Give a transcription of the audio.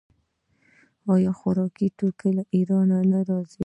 آیا خوراکي توکي له ایران نه راځي؟